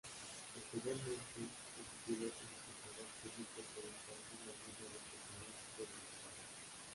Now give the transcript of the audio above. Posteriormente, se tituló como Contador Público por el Campus Laguna del Tecnológico de Monterrey.